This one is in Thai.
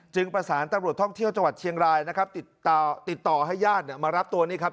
จึงประสานตำรวจท่องเที่ยวจังหวัดเชียงรายนะครับติดต่อให้ญาติมารับตัวนี้ครับ